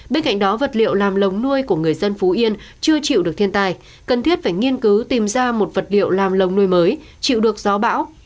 bên cạnh đó vật liệu làm lồng nuôi của người dân phú yên chưa chịu được thiên tài cần thiết phải nghiên cứu tìm ra một vật liệu làm lồng nuôi mới chịu được gió bão